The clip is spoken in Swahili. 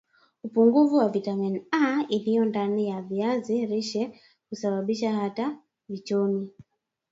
upungufu wa vitamini A iliyo ndani ya viazi lishe husababisha hata vichomi